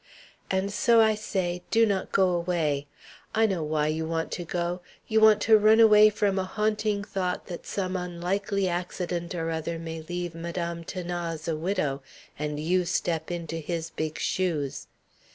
"And so I say, do not go away. I know why you want to go; you want to run away from a haunting thought that some unlikely accident or other may leave Madame 'Thanase a widow, and you step into his big shoes.